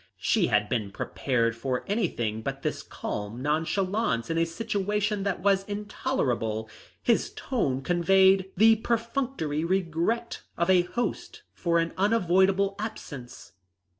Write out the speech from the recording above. She had been prepared for anything but this calm nonchalance in a situation that was intolerable. His tone conveyed the perfunctory regret of a host for an unavoidable absence.